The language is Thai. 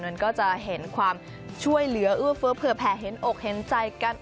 มันก็จะเห็นความช่วยเหลือเอื้อเฟ้อเผื่อแผ่เห็นอกเห็นใจกัน